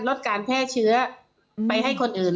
ลดการแพร่เชื้อไปให้คนอื่น